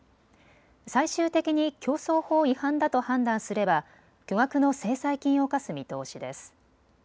最終的に競争法違反だと判断すれば巨額の制裁金を科す見通しです。